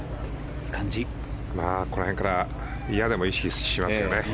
この辺から嫌でも意識しますね。